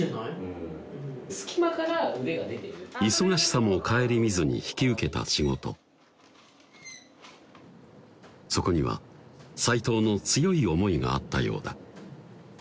うん忙しさも顧みずに引き受けた仕事そこには齋藤の強い思いがあったようだ